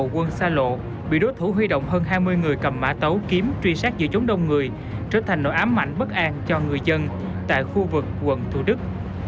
quân xa lộ bị đối thủ huy động hơn hai mươi người cầm mã tấu kiếm truy sát giữa trốn đông người trở thành nỗi ám ảnh bất an cho người dân tại khu vực quận thủ đức